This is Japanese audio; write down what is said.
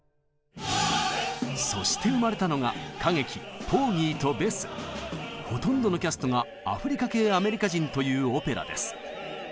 そして生まれたのがほとんどのキャストがアフリカ系アメリカ人というオペラです。